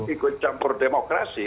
ikut campur demokrasi